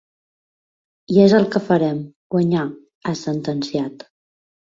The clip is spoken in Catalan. I és el que farem, guanyar, ha sentenciat.